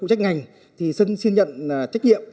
của trách ngành thì xin nhận trách nhiệm